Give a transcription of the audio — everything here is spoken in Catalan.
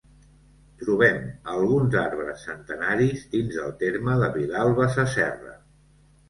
Trobem alguns arbres centenaris dins del terme de Vilalba Sasserra.